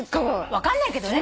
分かんないけどね。